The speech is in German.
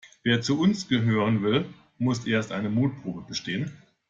Wer zu uns gehören will, muss erst eine Mutprobe bestehen.